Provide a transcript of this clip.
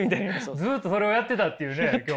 ずっとそれをやってたっていうね今日。